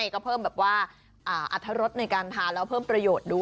ก็เพิ่มอธรรมในการทานแล้วเพิ่มประโยชน์ด้วย